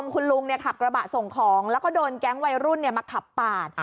คุณลุงขับกระบะส่งของแล้วก็โดนแก๊งวัยรุ่นมาขับปาด